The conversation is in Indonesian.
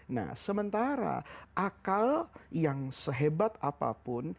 nah sementara akal yang sehebat apapun